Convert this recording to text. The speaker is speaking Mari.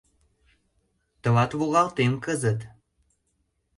Тылат логалтем кызыт!